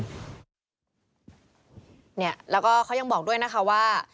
เนี่ยแล้วก็เขายังบอกด้วยนะคะว่า